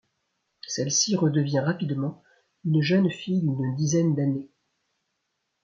Celle-ci redevient rapidement une jeune fille d’une dizaine d’années.